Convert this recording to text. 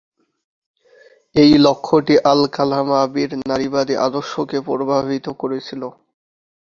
এই লক্ষ্যটি আল-কালামাবীর নারীবাদী আদর্শকে প্রভাবিত করেছিল।